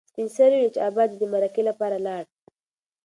سپین سرې وویل چې ابا دې د مرکې لپاره لاړ.